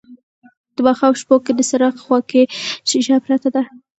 د ماښام شپو کې د څراغ خواکې شیشه پرته ده